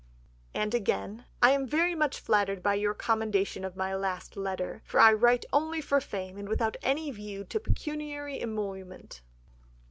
And again, "I am very much flattered by your commendation of my last letter, for I write only for fame and without any view to pecuniary emolument."